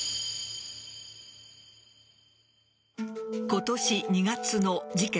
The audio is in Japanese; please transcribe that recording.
今年２月の事件